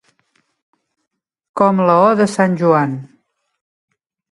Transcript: Com la «o» de sant Joan.